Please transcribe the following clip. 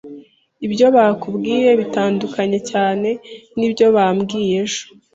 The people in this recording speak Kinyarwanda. Ibyo bakubwiye bitandukanye cyane nibyo bambwiye ejo